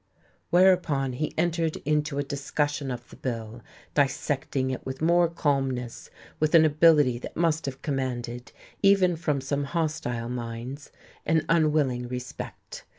Whereupon he entered into a discussion of the bill, dissecting it with more calmness, with an ability that must have commanded, even from some hostile minds, an unwilling respect.